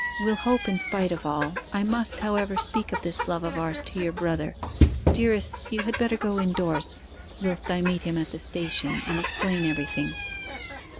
We'll hope in spite of all... I must, however, speak of this love of ours to your brother. Dearest, you had better go indoors whilst I meet him at the station, and explain everything.